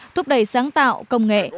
thúc đẩy sáng tạo công nghệ